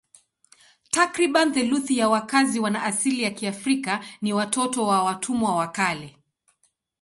Takriban theluthi ya wakazi wana asili ya Kiafrika ni watoto wa watumwa wa kale.